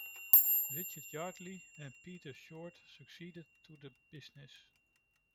Richard Yardley and Peter Short succeeded to the business.